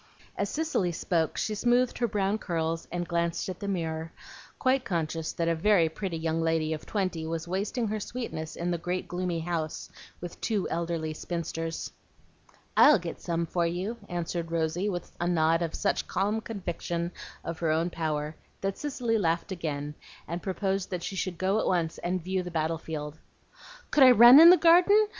As Cicely spoke, she smoothed her brown curls and glanced at the mirror, quite conscious that a very pretty young lady of twenty was wasting her sweetness in the great gloomy house, with two elderly spinsters. "I'll get some for you," answered Rosy, with a nod of such calm conviction of her own power, that Cicely laughed again, and proposed that she should go at once and view the battle field. "Could I RUN in the garden?